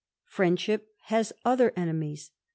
Friendship has other enemies.